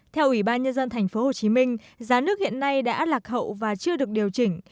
theo ủy ban nhân dân tp hcm giá nước hiện nay đã lạc hậu và chưa được điều chỉnh